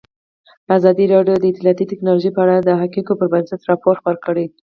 ازادي راډیو د اطلاعاتی تکنالوژي په اړه د حقایقو پر بنسټ راپور خپور کړی.